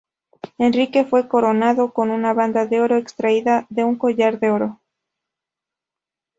Enrique fue coronado con una banda de oro extraída de un collar de oro.